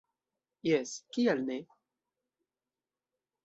Jes, kial ne?